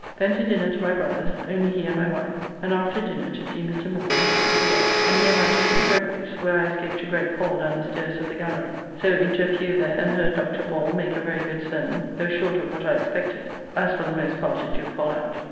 Then to dinner to my brother's, only he and my wife, and after dinner to see Mr. Moore, who is pretty well, and he and I to St. Gregory's, where I escaped a great fall down the staires of the gallery: so into a pew there and heard Dr. Ball make a very good sermon, though short of what I expected, as for the most part it do fall out.